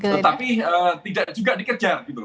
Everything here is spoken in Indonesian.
tetapi tidak juga dikejar